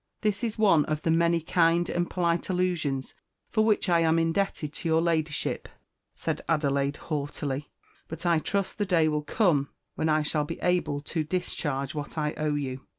"This is one of the many kind and polite allusions for which I am indebted to your Ladyship," said Adelaide haughtily; "but I trust the day will come when I shall be able to discharge what I owe you."